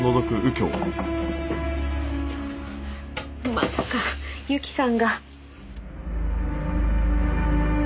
まさかユキさんが。